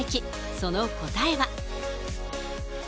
その答えは。